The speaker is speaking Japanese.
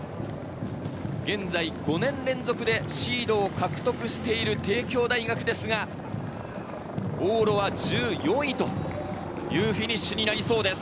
現在５年連続でシードを獲得している帝京大学ですが、往路は１４位というフィニッシュになりそうです。